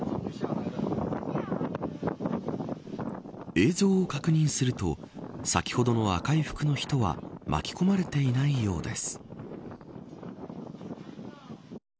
映像を確認すると先ほどの赤い服の人は巻き込まれていないようです。